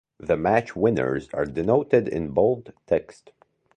The match winners are denoted in bold text.